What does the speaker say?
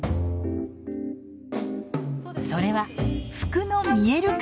それは服の見える化。